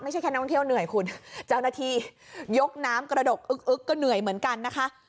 แค่นักท่องเที่ยวเหนื่อยคุณเจ้าหน้าที่ยกน้ำกระดกอึ๊กก็เหนื่อยเหมือนกันนะคะ